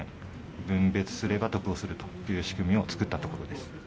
分別すれば得をするという仕組みを作ったところです。